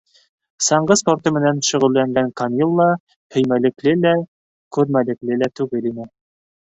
Саңғы спорты менән шөғөлләнгән Камилла һөймәлекле лә, күрмәлекле лә түгел ине.